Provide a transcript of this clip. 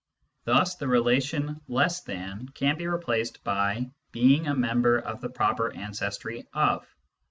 Thus the relation less than can be replaced by being a member of the proper ancestry of.